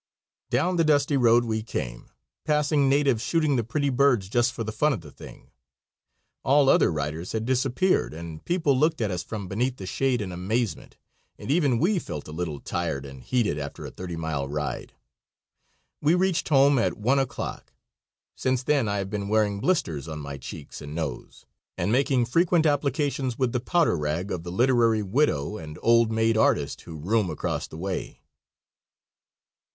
Down the dusty road we came, passing natives shooting the pretty birds just for the fun of the thing. All other riders had disappeared, and people looked at us from beneath the shade in amazement, and even we felt a little tired and heated after a thirty mile ride. We reached home at one o'clock. Since then I have been wearing blisters on my cheeks and nose, and making frequent applications with the powder rag of the literary widow and old maid artist who room across the way.